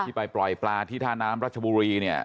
ไปปล่อยปลาที่ท่าน้ำรัชบุรีเนี่ย